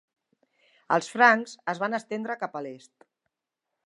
Els francs es van estendre cap a l'est.